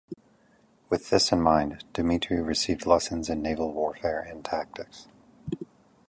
With this in mind, Dmitry received lessons in naval warfare and tactics.